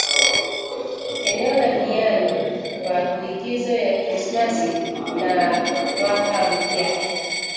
eneo la Diani kwa likizo ya krismasi na mwaka mpya